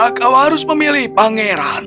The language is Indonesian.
kau harus memilih pangeran